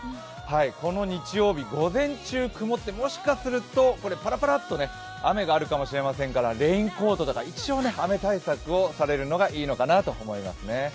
この日曜日午前中曇って、もしかするとパラパラと雨があるかもしれませんからレインコートとか一応雨対策をされるのがいいのかなと思いますね。